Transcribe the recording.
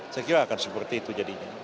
saya kira akan seperti itu jadinya